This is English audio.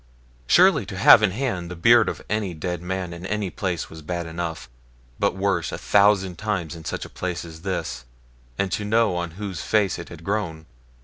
Surely to have in hand the beard of any dead man in any place was bad enough, but worse a thousand times in such a place as this, and to know on whose face it had grown.